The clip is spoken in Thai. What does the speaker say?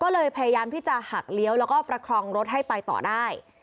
เลยพยายามพิจารณ์หักเลี้ยวและประคลองให้ไปต่อได้